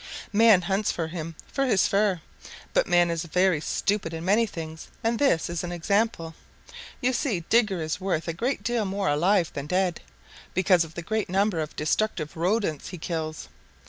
"Man hunts him for his fur, but man is very stupid in many things and this is an example. You see, Digger is worth a great deal more alive than dead, because of the great number of destructive Rodents he kills.